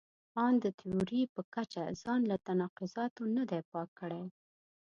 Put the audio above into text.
ان د تیوري په کچه ځان له تناقضاتو نه دی پاک کړی.